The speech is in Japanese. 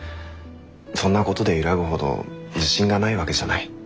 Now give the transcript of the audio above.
そんなことで揺らぐほど自信がないわけじゃない。